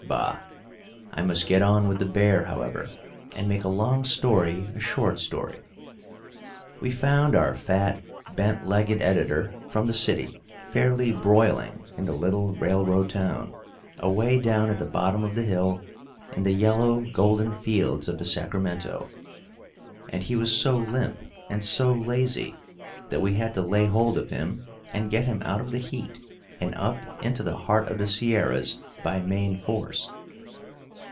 Bah! I must get on with the bear, however, and make a long story a short story. We found our fat, bent legged editor from the city fairly broiling in the little railroad town, away down at the bottom of the hill in the yellow golden fields of the Sacramento; and he was so limp and so lazy that we had to lay hold of him and get him out of the heat and up into the heart of the Sierras by main force.